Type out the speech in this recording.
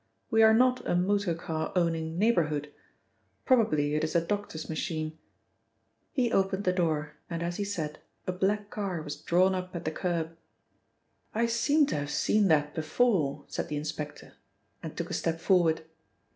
We are not a motor car owning neighbourhood; probably it is a doctor's machine." He opened the door, and, as he had said, a black car was drawn up at the kerb. "I seem to have seen that before," said the inspector, and took a step forward.